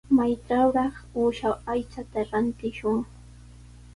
¿Maytrawraq uusha aychata rantishwan?